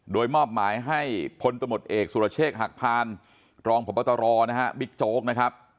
โดยมอบหมายให้ผลตำรวจเอกสุรเชษฐ์หักพันธ์รองผบตรบิ๊กโจ๊ก